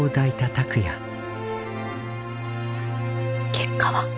結果は？